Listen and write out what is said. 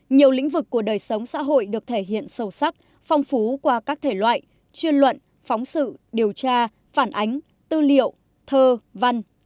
nhiều lĩnh vực của đời sống xã hội được thể hiện sâu sắc phong phú qua các thể loại chuyên luận phóng sự điều tra phản ánh tư liệu thơ văn